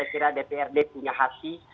kira dprd punya hati